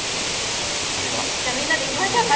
みんなでいきましょうか。